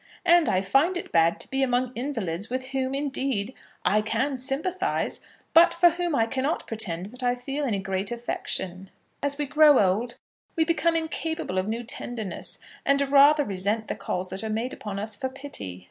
And I find it bad to be among invalids with whom, indeed, I can sympathise, but for whom I cannot pretend that I feel any great affection. As we grow old we become incapable of new tenderness, and rather resent the calls that are made upon us for pity.